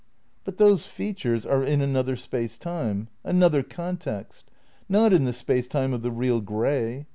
But those features are in another space time, an other context; not in the space time of the "real" grey.